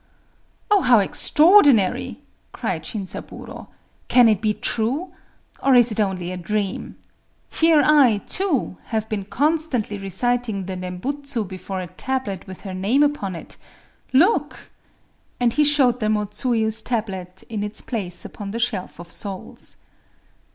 "Oh, how extraordinary!" cried Shinzaburō. "Can it be true? or is it only a dream? Here I, too, have been constantly reciting the Nembutsu before a tablet with her name upon it! Look!" And he showed them O Tsuyu's tablet in its place upon the Shelf of Souls.